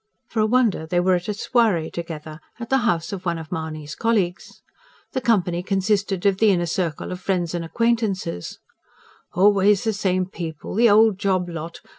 For a wonder they were at a soiree together, at the house of one of Mahony's colleagues. The company consisted of the inner circle of friends and acquaintances: "Always the same people the old job lot!